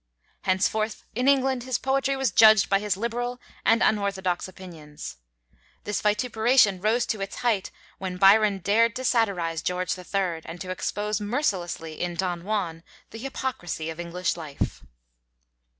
Henceforth in England his poetry was judged by his liberal and unorthodox opinions. This vituperation rose to its height when Byron dared to satirize George III., and to expose mercilessly in 'Don Juan' the hypocrisy of English life.